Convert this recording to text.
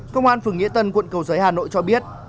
công an phường nghĩa tân quận cầu giấy hà nội cho biết